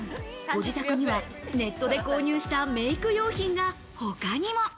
ご自宅にはネットで購入したメイク用品が他にも。